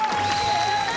やった！